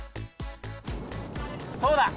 そうだ！